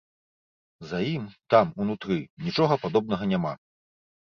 За ім, там, унутры, нічога падобнага няма.